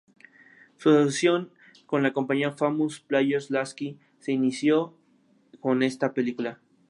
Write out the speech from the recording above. Su asociación con la compañía Famous Players-Lasky se inició con esta película.